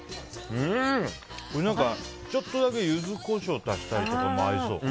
これちょっとだけユズコショウ足したりとかも合いそう。